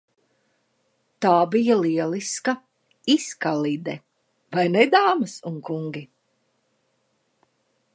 Tā bija lieliska izkalide vai ne, dāmas un kungi?